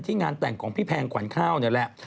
งานแต่งของพี่แพงขวัญข้าวนี่แหละ